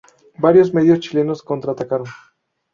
Varios medios chilenos contraatacaron.